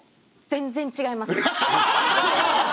全然違います。